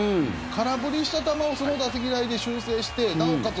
空振りした球をその打席内で修正してなおかつ